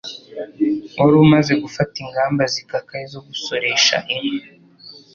wari umaze gufata ingamba zikakaye zo gusoresha inka,